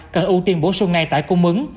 cần ưu tiên bổ sung ngay tại cung mứng